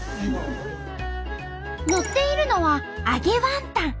のっているのは揚げワンタン。